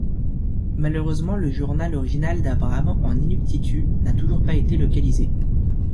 Malheureusement, le journal original d'Abraham en inuktitut n'a toujours pas été localisé.